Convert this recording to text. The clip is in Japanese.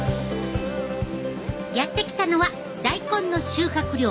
やって来たのは大根の収穫量